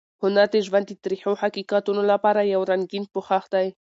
هنر د ژوند د تریخو حقیقتونو لپاره یو رنګین پوښ دی.